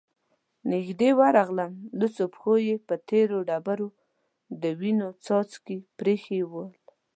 نږدې ورغلم، لوڅو پښو يې په تېرو ډبرو د وينو څاڅکې پرېښي ول،